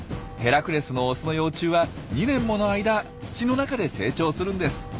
ヘラクレスのオスの幼虫は２年もの間土の中で成長するんです。